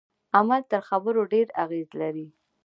عمل تر خبرو ډیر اغیز لري.